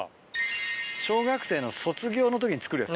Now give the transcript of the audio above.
小学生の卒業の時に作るやつ。